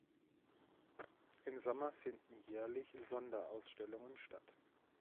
Im Sommer finden jährlich Sonderausstellungen statt.